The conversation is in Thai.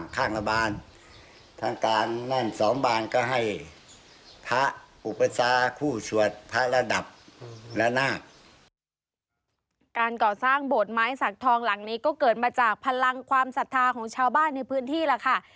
การก่อสร้างโบสถ์ไม้สักทองหลังนี้ก็เกิดมาจากพลังความศรัทธาของชาวบ้านในพื้นที่ล่ะค่ะ